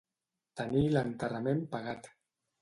Tenir l'enterrament pagat.